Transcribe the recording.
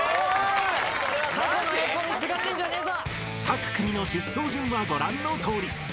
［各組の出走順はご覧のとおり］